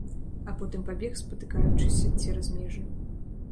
А потым пабег, спатыкаючыся, цераз межы.